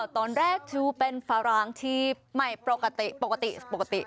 ตอนแรกคือเป็นฝรั่งที่ไม่ปกติปกติปกติ